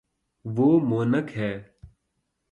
وہ مونک ہے